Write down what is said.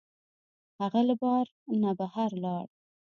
هغه له بار نه بهر لاړ.